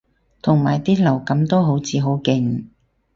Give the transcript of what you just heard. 同埋啲流感都好似好勁